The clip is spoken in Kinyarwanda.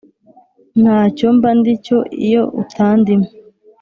ntacyo mba ndi cyo iyo utandimo